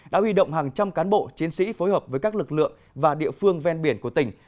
đã huy động hàng trăm cán bộ chiến sĩ phối hợp với các lực lượng và địa phương ven biển của tỉnh